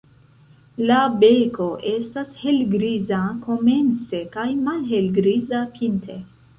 La beko estas helgriza komence kaj malhelgriza pinte.